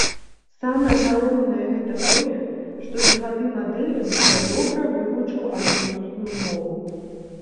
Самае галоўнае гэта тое, што за гады мадэлінгу я добра вывучыў англійскую мову.